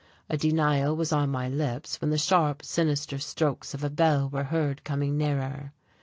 A denial was on my lips when the sharp, sinister strokes of a bell were heard coming nearer.